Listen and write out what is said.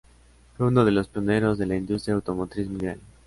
Fue uno de los pioneros de la industria automotriz mundial.